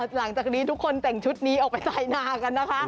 หลังจากนี้ทุกคนแต่งชุดนี้ออกไปใส่นากันนะคะ